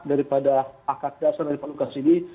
daripada akad dasar dari pak lukas ini